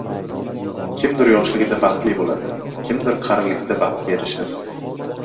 • Kimdir yoshligida baxtli bo‘ladi, kimdir qarilikda baxtga erishadi.